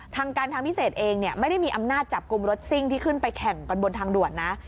ทางการทางพิเศษเองไม่ได้มีอำนาจจับกลุ่มรถซิ่งที่ขึ้นไปแข่งกันบนทางด่วนนะ